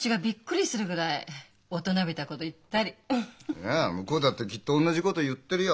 いや向こうだってきっとおんなじこと言ってるよ。